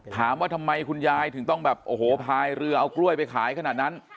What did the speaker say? ถามว่าทำไมคุณยายถึงต้องแบบโอ้โหพายเรือเอากล้วยไปขายขนาดนั้น